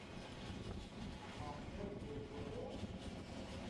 Kamder yê to yo?